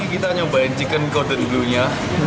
ini kita nyobain chicken cordon bleu nya